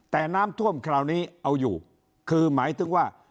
แต่น้ำท่วมคราวนี้เอาอยู่คือหมายถึงว่า